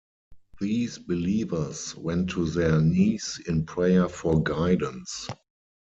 These believers went to their knees in prayer for guidance.